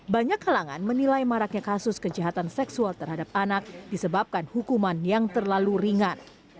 banyak kalangan menilai maraknya kasus kejahatan seksual terhadap anak disebabkan hukuman yang terlalu ringan